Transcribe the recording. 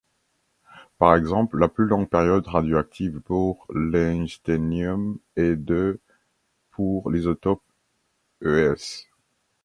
Par exemple, la plus longue période radioactive pour l'einsteinium est de pour l'isotope Es.